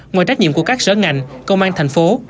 ngoài trách nhiệm của các sở ngành công an thành phố